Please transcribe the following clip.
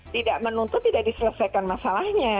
tidak menuntut tidak diselesaikan masalahnya